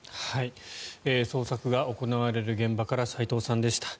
捜索が行われる現場から齋藤さんでした。